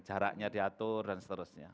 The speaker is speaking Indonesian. caranya diatur dan seterusnya